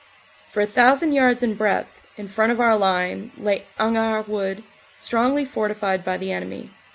For a thousand yards in breadth, in front of our line, lay Hangard Wood, strongly fortified by the enemy.